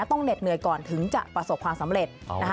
ต้องเหน็จเหนื่อยก่อนถึงจะประสบความสำเร็จ